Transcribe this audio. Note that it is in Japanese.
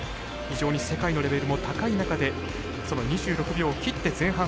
非常に世界のレベルも高い中でその２６秒を切って前半入れば。